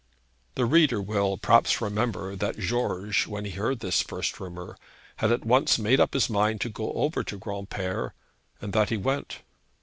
The reader will perhaps remember that George, when he heard this first rumour, had at once made up his mind to go over to Granpere, and that he went.